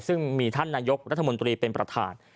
ซึ่งมีท่านนายกรัฐมนตรีเป็นประธาน